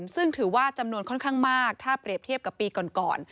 ซึ่งถือว่าจำนวนค่อนข้างมากถ้าเปรียบเทียบกับปีก่อน